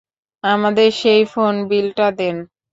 আমাদের সেই ফোন বিলটা দেন?